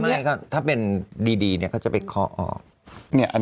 ไม่ถ้าเป็นดีเนี่ยก็จะไปคอออก